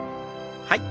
はい。